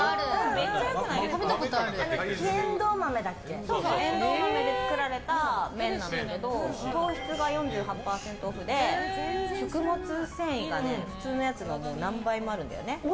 黄えんどう豆で作られた麺なんだけど糖質が４８％オフで食物繊維が普通のやつの何倍もあるんだよね。